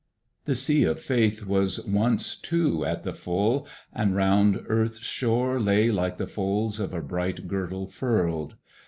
The Sea of Faith Was once, too, at the full, and round earth's shore Lay like the folds of a bright girdle furl'd.